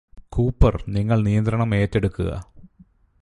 Cooper നിങ്ങള് നിയന്ത്രണം ഏറ്റെടുക്കുക